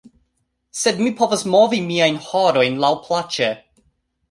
Sed mi povas movi miajn horojn laŭ plaĉe